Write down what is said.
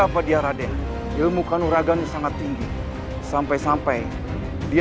bangkamen rupi'u sudah jangan serba beraretti